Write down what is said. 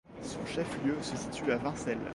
Son chef-lieu se situe à Vincelles.